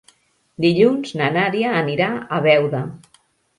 Dilluns na Nàdia anirà a Beuda.